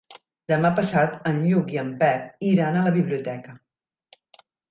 Demà passat en Lluc i en Pep iran a la biblioteca.